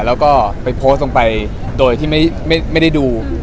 แล้วก็ไปโพสต์ลงไปโดยที่ไม่ได้ดู